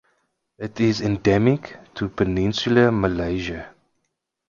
It is endemic to Peninsular Malaysia.